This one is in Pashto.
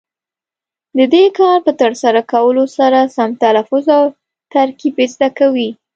د دې کار په ترسره کولو سره سم تلفظ او ترکیب زده کوي.